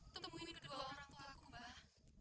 temuin dua orangtuaku mbah